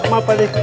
maaf pak d